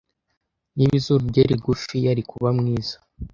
Niba izuru rye rigufi, yari kuba mwiza.